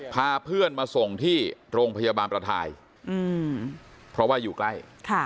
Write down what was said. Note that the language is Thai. พาเพื่อนมาส่งที่โรงพยาบาลประทายเพราะว่าอยู่ใกล้